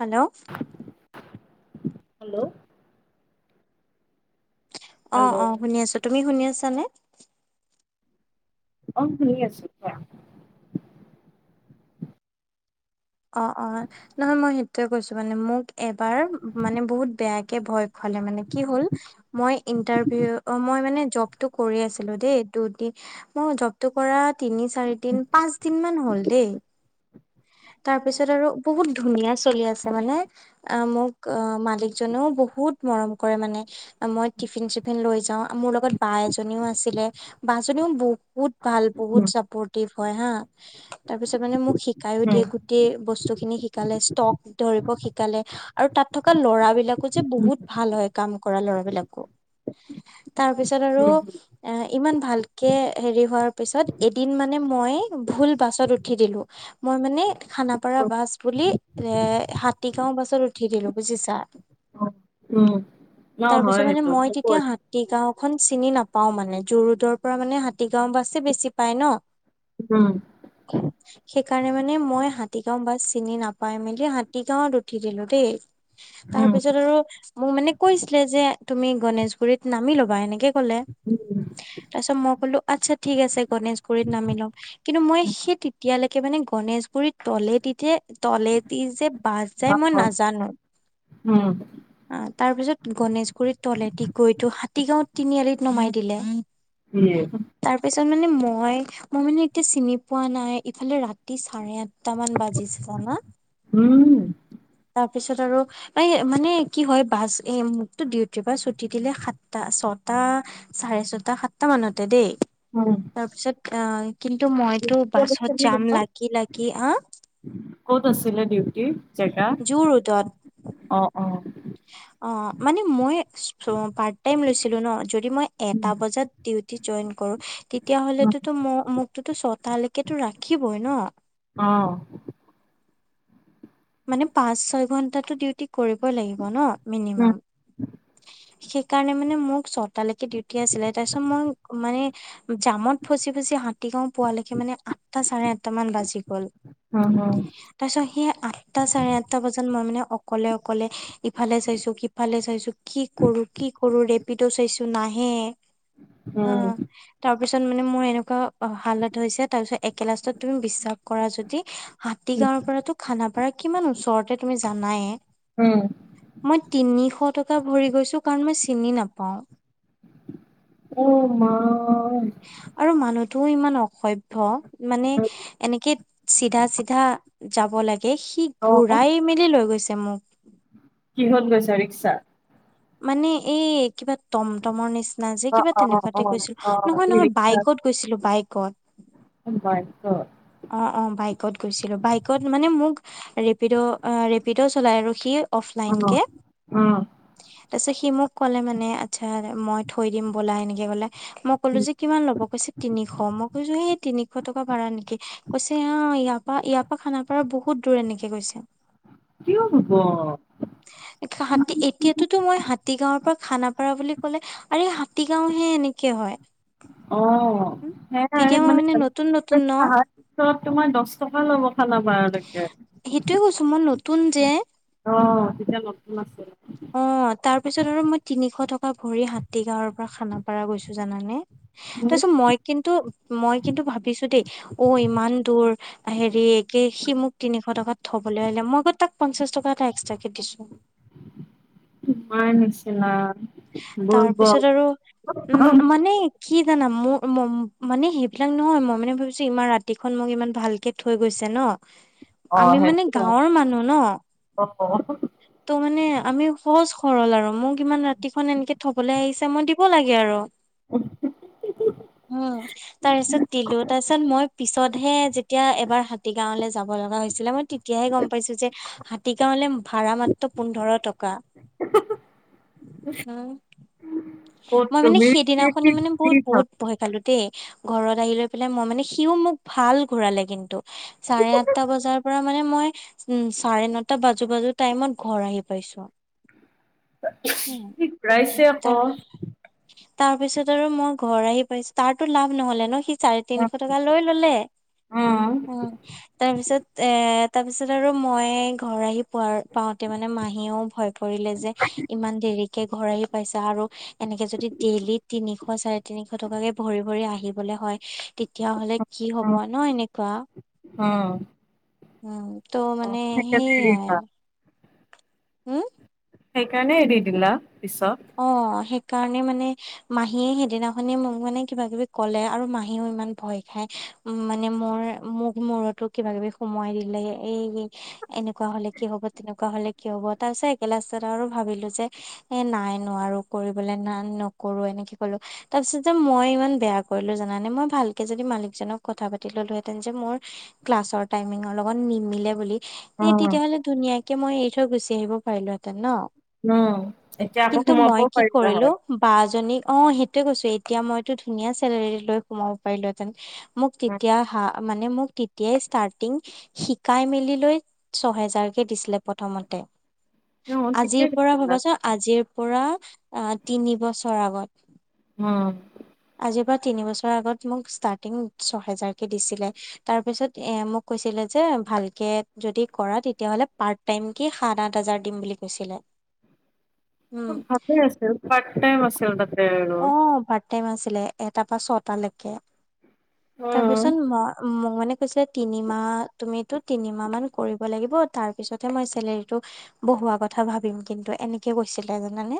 Hello. Hello. Hello অ', অ', শুনি আছো তুমি শুনি আছা নে? অ', শুনি আছো কোৱা। অ', অ'। নহয় মই সেইটোয়ে কৈছো মানে মোক এবাৰ মানে বহুত বেয়াকে ভয় খুৱালে, মানে কি হ'ল মই ইণ্টাৰভিউ অ' মই মানে জবটো কৰি আছিলো দে দুদি মোৰ জবটো কৰা তিনি চাৰি দিন পাঁচ দিন মান হ'ল দেই। তাৰ পিছত আৰু বহুত ধুনীয়া চলি আছে মানে। মোক মালিকজনেও বহুত মৰম কৰে মানে। মই টিফিন চিফিন লৈ যাওঁ মোৰ লগত বা এজনীও আছিলে বা জনীও বহুত ভাল বহুত উম চাপৰ্টিভ হয় হা। তাৰ পিছত মানে মোক শিকায়ো উম দিয়ে গোটেই বস্তুখিনি শিকালে ষ্টক ধৰিব শিকালে আৰু তাত থকা ল'ৰাবিলাক বিলাকো যে বহুত ভাল হয় কাম কৰা ল'ৰাবিলাকো। তাৰ পিছত আৰু উম ইমান ভালকে হেৰি হোৱাৰ পিছত এদিন মানে মই ভুল বাছত উঠি দিলোঁ। মই মানে খানাপাৰা বাছ বুলি এ হাতীগাঁও বাছত উঠি দিলো বুজিছা। উম উম ন তাৰ হয় পিছত মানে সেইটো মই তেতিয়া হাত হাতী গাঁও খন চিনি নাপাও মানে যুৰোডৰ পৰা মানে হাতীগাঁও বাছে বেছি পায় ন। উম। সেইকাৰণে মানে মই হাত হাতীগাঁও বাছ চিনি নাপাই মেলি হাতী গাঁৱত উঠি দিলো দেই। উম তাৰপিছত আৰু মোক মানে কৈছিলে যে তুমি গণেশগুৰিত নামি ল'বা এনেকে ক'লে। তাৰ পিছত মই কলো আচ্ছা ঠিক আছে গণেশগুৰিত নামি লম। কিন্তু মই সেই তেতিয়ালৈকে মানে গণেশগুৰিত তলেদি এতিয়া তলেদি যে বাছ যায় অ মই অ নাজানো। উম অ', তাৰ পিছত গনেশগুৰিত তলেদি গৈ টো হাতীগাঁওত তিনিআলিত নমাই দিলে। ইয়ে। তাৰপিছত মানে মই মই মানে এতিয়া চিনি পোৱা নাই ইফালে ৰাতি চাৰে আঠ তামান বাজিছে না। উম। তাৰ পিছত আৰু প্ৰায় মানে কি হয় বাছ এ মোকতো ডিউটিৰ পৰা ছুটি দিলে সাতটা ছটা চাৰে ছটা সাতটা মানতে দেই। উম। তাৰ পিছত কিন্তু মইতো ক'ত বাছত আছিলে যাম পাপা? লাগি লাগি হা। ক'ত আছিলে ডিউটি জেগা? যুৰোদত। অ', অ'। অ', মানে মই পাৰ্ট টাইম লৈছিলো ন যদি মই এটা বজাত ডিউটি জইন কৰো তেতিয়াাহ'লে মই মোকটো ছটালৈকে টো ৰাখিবই ন। অ'। মানে পাঁচ ছয় ঘন্টাটো ডিউটি কৰিবই লাগিব ন উম মিনিমাম। সেইকাৰণে মানে মোক ছটালৈকে ডিউটি আছিলে। তাৰপিছত মই মানে জামত ফচি ফচি হাতীগাঁও পোৱালৈকে মানে আঠটা চাৰে আঠটা মান বাজি গ'ল। অ', অ'। তাৰ পিছত সেই আঠটা চাৰে আঠটা বজাত মই মানে অকলে অকলে ইফালে চাইছো ইফালে চাইছো কি কৰো কি কৰো ৰেপিডো চাইছো নাহে। উম। তাৰপিছত মানে মোৰ এনেকুৱা হালত হৈছে, তাৰ পিছত একে লাষ্টত তুমি বিশ্বাস কৰা যদি হাতী গাঁৱৰ পৰাতো খানাপাৰা কিমান ওচৰতে তুমি জানায়ে। উম। মই তিনিশ টকা ভৰি গৈছো কাৰণ মই চিনি নাপাও। অ' মা। উম। আৰু মানুহটোও ইমান অসভ্য মানে এনেকে চিধা চিধা যাব লাগে সি ঘুৰাই মেলি লৈ গৈছে মোক। কিহত গৈছা ৰিক্সাত? মানে এই কিবা টমটমৰ নিচিনা। নহয় যে অ কিবা অ তেনেকুৱাতে গৈছিলো অ অ নহয় নহয় ৰিক্সা বাইকত গৈছিলো বাইকত। বাইকত। অ' অ' বাইকত গৈছিলো, বাইকত মানে মোক ৰেপিড' ৰেপিডো চলাই আৰু সি অফলাইন কে। উম। তাৰ পিছত সি মোক ক'লে মানে আচ্ছা মই থৈ দিম ব'লা এনেকে কলে। মই কলো যে কিমান লব কৈছে তিনিশ মই কৈছো সেই তিনিশ টকা ভাড়া নেকি। কৈছে অ' ইয়াৰ পৰাা ইয়াৰ পৰাা খানাপাৰা বহুত দূৰ এনেকে কৈছে। কিয় হব? হাতী এতিয়া তো মই হাতী গাঁৱৰ পৰা খানাপাৰা বুলি ক'লে আৰে হাতী গাঁও হে এনেকে হয়। অ', উ তেতিয়া মই মানে নতুন নতুন ন। ৰত তোমাৰ দহ টকা ল'ব খানাপাৰালৈকে। সেইটোয়ে কৈছো মই নতুন যে। অ' তেতিয়া নতুন আছে। অ' তাৰ পিছত আৰু মই তিনিশ টকা ভৰি হাতী গাঁৱৰ পৰা খানাপাৰা গৈছো জানানে। তাৰ মোৰ পিছত মই কিন্তু মই কিন্তু ভাবিছো দেই অ' ইমান দূৰ হেৰি সি মোক তিনিশ টকাত থবলৈ আহিলে, মই গৈ তাক পঞ্চাশ টকা এটা এক্সট্ৰাক কে দিছো। ন নিশ্চিলা। তাৰপিছত আৰু উম মান কি জানা মোৰ মানে সেইবিলাক নহয় মই মানে ভাবিছো ইমান ৰাতিখন মোক ইমান ভালকে থৈ গৈছে ন। আমি অ', মানে সেইটো হয় গাঁৱৰ মানুহ ন। অ', ত' মানে আমি সহজ সৰল আৰু। মোক ইমান ৰাতিখন এনেকে থবলৈ আহিছে মই দিব লাগে আৰু। হয়। তাৰ পিছত দিলো তাৰ পিছত মই পিছতহে যেতিয়া এবাৰ হাতী গাঁওলৈ যাব লগা হৈছিলে মই তেতিয়াই এতিয়াহে গম পাইছো, যে হাতী গাঁৱলে ভাড়া মাত্ৰ পোন্ধৰ টকা। উম ক'ত মই মানে তুমি কি কি সেইদিনাখনি মানে কি বহুত বহুত ভাব- ভয় খালো। দেই ঘৰত আহি লৈ পেলাই, মই মানে সিও মোক ভাল ঘূৰালে কিন্তু। চাৰে আঠটা বজাৰ পৰা মানে মই উম চাৰে নটা বাজু বাজু টাইমত ঘৰ আহি পাইছো। উম ৰাইছে আকৌ। [inaudible] তাৰ পিছত আৰু মই ঘৰ আহি পাইছো, তাৰতো লাভ নহলে ন সি চাৰি তিনিশ টকা লৈ ললে। উম। তাৰ পিছত এ তাৰ পিছত আৰু মই ঘৰ আহি পোৱা পাওওঁতে মানে মাহীয়েও ভয় ধলে যে ইমান দেৰিকে ঘৰাই পাইছা আৰু এনেকে যদি ডেইলি তিনিশ চাৰে তিনিশ টকাকে ভৰি ভৰি আহিবলৈ হয়, তেতিয়াহ'লে কি হব উম ন এনেকুৱা। উম। উম ত মানে সেইয়াই [unintelligible] হম সেইকাৰণে এৰি দিলা পিছত অ', সেইকাৰণে মানে মাহীয়ে সেইদিনাখনে মোক মানে কিবা কিবি কলে আৰু মাহীও ইমান ভয় খাই উম মানে মোৰ মোক মূৰতো কিবা কিবি সোমাই দিলে এই এনেকুৱা হলে কি হব তেনেকুৱা হলে কি হব তাৰ পিছত একে লাষ্টত আৰু ভাবিলো যে এ নাই নোৱাৰোঁ কৰিবলৈ নান নকৰো এনেকে ক'লোঁ তাৰপিছত যে মই ইমান বেয়া কৰিলো জানে মই ভালকে যদি মালিকজনক কথা পাতি ললোহেতেন যে মোৰ ক্লাছৰ টাইমিঙৰ লগত নিমিলে বুলি এই অ', তেতিয়াহ'লে ধুনীয়াকে মই এৰি থৈ গুচি আহিব পাৰিলোহেঁতেন ন ন এতিয়া আকৌ কিন্তু মই সোমাবও কি পাৰিলা কৰিলো হয়। বা জনীক অ', সেইটোয়ে কৈছো এতিয়া মইতো ধুনীয়া চেলেৰী লৈ সোমও পাৰিলো হেতেন মোক তেতিয়া হা মানে মোক তেতিয়া ষ্টাৰ্টিং শিকাই মেলি লৈ ছহেজাৰকে দিছিলে প্ৰথমতে অ', আজিৰ ঠিকেই পৰা কৈছিলা ভাবাছো আজিৰ পৰা তিনি বছৰ আগত। অ' আজিৰ পৰা তিনি বছৰৰ আগত মোক ষ্টাৰ্টিং ছহেজাৰকে দিছিলে। তাৰ পিছত এ মোক কৈছিলে যে, ভালকে যদি কৰা তেতিয়াহলে পাৰট টাইম কে সাত আঠ হাজাৰ দিম বুলি কৈছিলে। উম ভালে আছিল। পাৰ্ট টাইম আছিল ততে আৰু অ পাৰ্ট টাইম আছিলে এটাৰ পৰা ছটা লৈকে উম, তাৰপিছত মই মই মানে কৈছে তিনিমাহ তুমিতো তিনিমাহ মান কৰিব লাগিব। তাৰ পিছতহে মই চেলেৰটো বহুৱা কথা ভাবিম কিন্তু এনেকে কৈছিলে। এ জানানে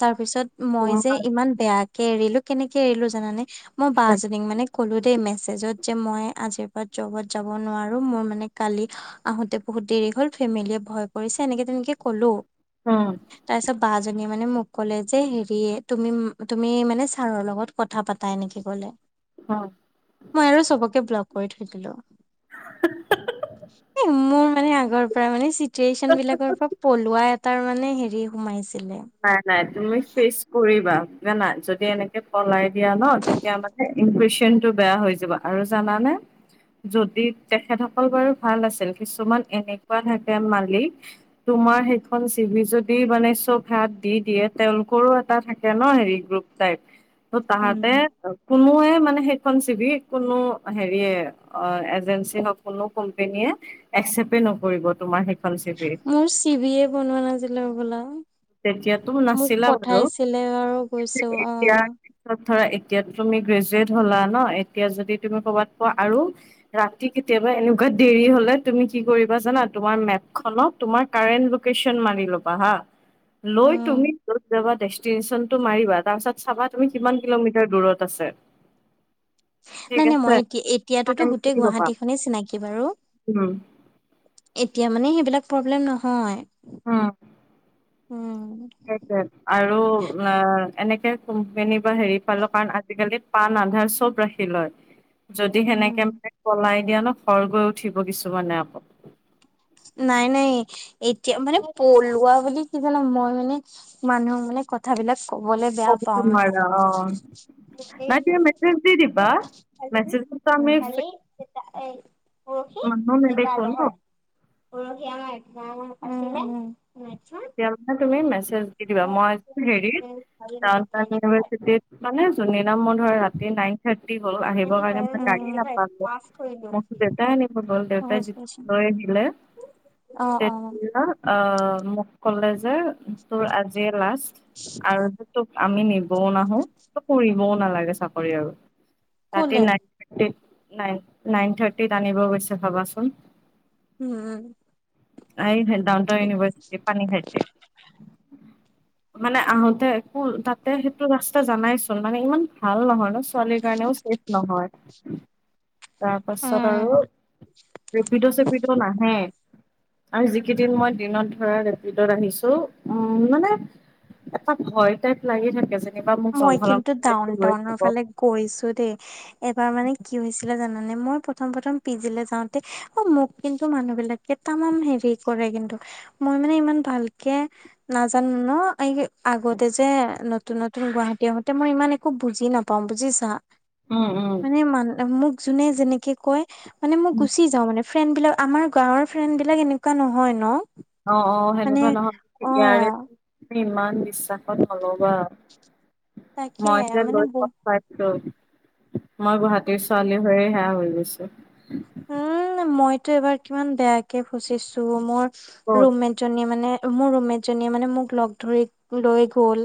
তাৰপিছত মই উম, যে ইমান বেয়াকে এৰিলো কেনেকে এৰিলো জানানে? মই বা এজনীক মানে ক'লো দেই মেছেজত যে মই আজিৰ পৰা জবত যাব নোৱাৰো। মোৰ মানে কালি আহোতে বহুত দেৰি হল ফেমিলিয় ভয় কৰিছে। এনেকে তেনেকে কলো। অ' তাৰপিছত বা জনীয়ে মানে মোক কলে যে হেৰি দে তুমি তুমি মানে ছাৰৰ লগত কথা পাতা এনেকে কলে অ' মই আৰু চবকে ব্লগ কৰি থৈ দিলো। এ, মোৰ মানে আগৰ পৰা মানে চিটুৱেচন বিলাকৰ পৰা পলুৱা এটাৰ মানে হেৰি সোমাইছিলে। নাই নাই তুমি ফিচ কৰিবা ন নাই যদি এনেকে পলাই দিয়া ন তেতিয়া আমাক ইমফ্ৰেশচন টো বেয়া হৈ যাব আৰু জানানে যদি তেখেতসকল বাৰু ভাল আছিল। কিছুমান এনেকুৱা থাকে মালিক তোমাৰ সেইখন চিভি যদি মানে চব হাত দি দিয়ে তেওঁলোকৰো এটা থাকে ন। হেৰি গ্ৰুপ তাইপ ত তাহাঁতে কোনোৱে মানে সেইখন চিবিক কোনো হেৰিয়ে। অ', এজেঞ্চি হওক কোনো কোম্পেনীয়ে একচেপটে নকৰিব তোমাৰ চিভি মোৰ চিবিয়ে বনোৱা নাছিলো বোলা। তেতিয়াতো মোক নাছিলা বাৰু পঠাইছিলে আৰু গৈছো এতিয়া অ' ধৰা এতিয়া তুমি গ্ৰেজুৱেট হলা ন এতিয়া যদি তুমি কৰ'বাত কোৱা আৰু ৰাতি কেতিয়াবা এনেকুৱা দেৰি হলে তুমি কি কৰিবা জানা তোমাৰ মেপ খনক তোমাৰ কাৰেণ্ট লোকেশ্যন মাৰি লবা হা, লৈ উম। তুমি যত যাবা ডেষ্টিনেচন টেনচনতটো মাৰিবা তাৰ পিছত চাবা তুমি কিমান কিলোমিটাৰ দূৰত আছে। ঠিক নাই নাই আছে মই এতিয়া এতিয়াতো চাই গোটেই মেলি ল'বা গুৱাহাটীখনেই চিনাকি বাৰু উম এতিয়া মানে সেইবিলাক প্ৰব্লেম নহয়। অ', উম', আৰু অ এনেকে কোম্পনী বা হেৰি পালো কাৰণ আজিকালিত পাণ আধাৰ চব ৰাখি লয়। [inaudible] যদি উম, সেনেকে মানে পলাই দিয়া ন খৰ গৈ উঠিব। কিছুমানে আকৌ নাই, নাই এতিয়া মানে পলোৱাা বুলি কি জানো মই মানে মানুহ মানে কথাবিলাক কবলে বেয়া ক'ব পাও। মানে নোৱাৰা অ নাই তুমি মেছেজ দি দিবা মেছেজতো আমি ফেক [unintelligible] মানুহ নেদেখো ন [unintelligible] তেতিয়াে তুমি মেছেজ দি দিবা মই হেৰিত তি মানে যোন নাম মোৰ ধৰা ৰাতি নাই। থি আহিব উম, কাৰণে মই গাৰি নাপালোঁ মই টাই আনিব গ'ল দেউতাই যেতিয়া লৈ আহিলে তে অ মোক ক'লে যে তোৰ আজিয়ে লাষ্ট আৰু তোক আমি নিবও নাহো কৰিম ও নালাগে চাকৰি আৰু ৰাতি ক'লে নাই ড নাইন নাইন থাৰ্টিত আনিব গৈছে ভাবাচোন উম উ আহি ডাউন টাউন ইউনিভ্চিটি পানী খাইছে [unintelligible] মানে আহোতে একো তাতে সেইটো ৰাস্তা জানাইচোন মানে ইমান ভাল নহয় ন ছোৱালীৰ কাৰণেও নহয় [unintelligible] তাৰপাছত আৰু ৰেপিডো চেপিডো নাহে আৰু যিকেইদিন মই দিনত ধৰা ভিতৰত আহিছো উম মানে এটা ভয় টাইপ লাগি থাকে যে মই কিন্তু ডাউন টাউনৰ ফালে গৈছো দেই এবাৰ মানে কি হৈছিলে জানানে মই প্ৰথম প্ৰথম পি জি লে যাওঁতে অ মোক কিন্তু মানুহ বিলাক কেইটামান হেৰি কৰে কিন্তু মই মানে ইমান ভালকে নাজানো ন এই আগতে যে নতুন নতুন গুৱাহাটী আহোতে মই ইমান একো বুজি নাপাওঁ বুজিছা উম উম মানে মান মোক যোনে যেনেকে কয় মানে মই গুচি যাও মানে ফ্ৰেণ্ড বিলাক আমাৰ গাঁওৰ ফ্ৰেণ্ড বিলাক এনেকুৱা নহয় ন অ অ মানে সেনেকুৱা নহয় অ ইয়াৰে ইমান বিশ্বাসত হলবা তাকে মই যে মানে লৈ কোৱা বহুত পাইছো মই গুৱাহাটীৰ ছোৱালী হৈয়ে সেয়া হৈ গৈছো মইতো এবাৰ কিমান বেয়াকে ফচিছো মোৰ ক'ত ৰূমমেট জনীয়ে মানে মোৰ ৰুমমেটজনীয়ে মানে মোক লগ ধৰি লৈ গ'ল।